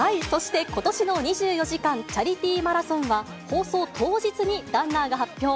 そして、ことしの２４時間チャリティーマラソンは、放送当日にランナーが発表。